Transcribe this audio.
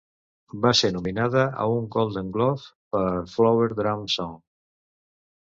Va ser nominada a un Golden Globe per "Flower Drum Song".